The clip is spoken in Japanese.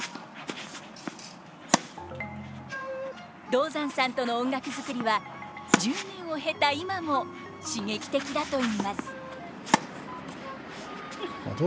道山さんとの音楽作りは１０年を経た今も刺激的だといいます。